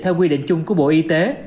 theo quy định chung của bộ y tế